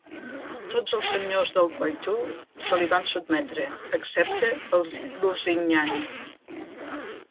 Tots els senyors del Poitou se li van sotmetre, excepte els Lusignan.